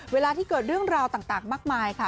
เวลาที่เกิดเรื่องราวต่างมากมายค่ะ